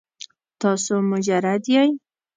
تاسو مجرد یې؟